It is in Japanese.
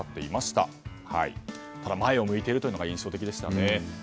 ただ、前を向いているのが印象的でした。